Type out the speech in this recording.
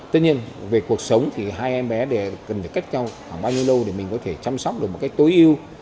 tất nhiên về cuộc sống thì hai em bé cần phải cách nhau khoảng bao nhiêu lâu để mình có thể chăm sóc được một cách tối ưu